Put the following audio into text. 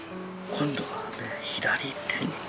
今度は左手には。